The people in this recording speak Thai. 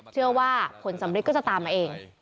เชื่อว่าผลสำริดก็จะตามมาเอง